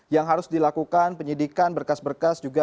yang harus dilakukan penyidikan berkas berkas juga